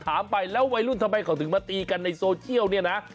ไปแล้ววัยรุ่นทำไมเขาถึงมาตีกันในโซเชียลเนี่ยนะ